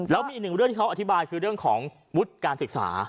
แล้วมีอีกหนึ่งเรื่องที่เขาอธิบายคือเรื่องของวุฒิการศึกษา